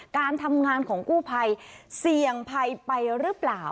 การทำงานของกู้ภัยเสี่ยงภัยไปหรือเปล่า